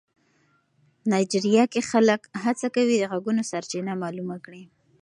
نایجیریا کې خلک هڅه کوي د غږونو سرچینه معلومه کړي.